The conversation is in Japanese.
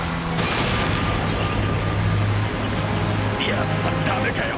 やっぱダメかよ。